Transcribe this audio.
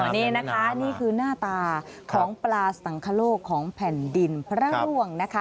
นี่คือหน้าตาของปลาสังคโลกของแผ่นดินพระร่วง